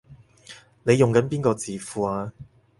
你用緊邊個字庫啊？